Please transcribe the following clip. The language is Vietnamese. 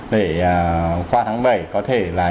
để qua tháng bảy có thể là